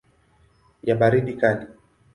ya baridi kali.